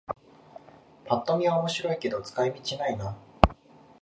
ぱっと見は面白いけど使い道ないな